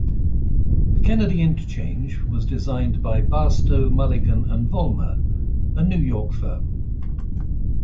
The Kennedy Interchange was designed by Barstow, Mulligan and Vollmer, a New York firm.